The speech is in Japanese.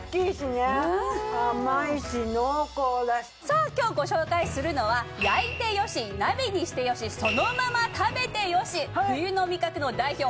さあ今日ご紹介するのは焼いてよし鍋にしてよしそのまま食べてよし冬の味覚の代表